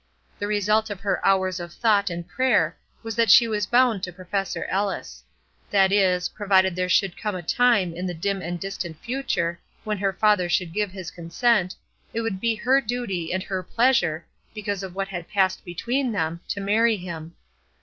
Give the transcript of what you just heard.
The result of her hours of thought and prayer was that she was bound to Professor Ellis. That is, provided there should come a time in the dim and distant future when her father should give his consent, it would be her duty and her pleasure, because of what had passed between them, to marry him.